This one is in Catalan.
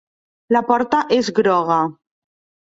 La porta és groga.